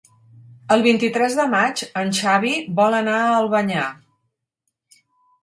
El vint-i-tres de maig en Xavi vol anar a Albanyà.